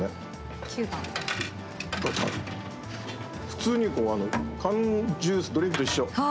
普通に、あの缶ジュースドリンクと一緒。